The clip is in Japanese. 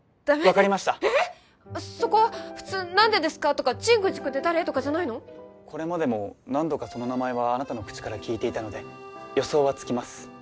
分かりましたそこは普通何でですか？とか神宮寺君って誰？とかじゃないのこれまでも何度かその名前はあなたの口から聞いていたので予想はつきます